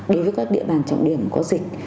đối với các địa bàn trọng điểm có dịch